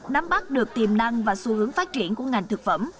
nắm bắt được tiềm năng và xu hướng phát triển của ngành thực phẩm